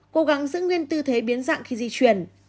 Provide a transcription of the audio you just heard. cố gắng giữ nguyên tư thế biến dạng khi di chuyển